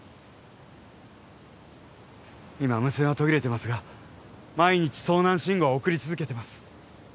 今無線は途切れてますが毎日遭難信号は送り続けてます